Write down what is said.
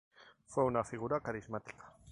Fue una figura carismática.